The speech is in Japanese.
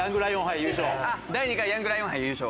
第２回ヤングライオン杯優勝！